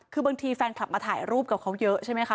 คือบางทีแฟนคลับมาถ่ายรูปกับเขาเยอะใช่ไหมคะ